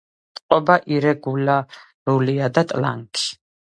წყობა ირეგულარულია და ტლანქი.